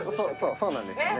そうなんですね。